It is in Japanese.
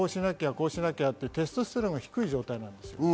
だからこうしなきゃ、テストステロンが低い状態なんです。